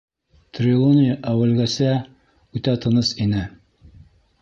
Трелони әүәлгесә үтә тыныс ине.